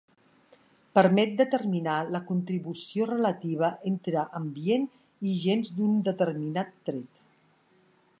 Permet determinar la contribució relativa entre ambient i gens d’un determinat tret.